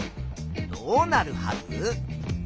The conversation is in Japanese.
どうなるはず？